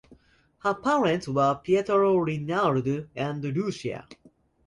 Her parents were Pietro Rinaldo and Lucia.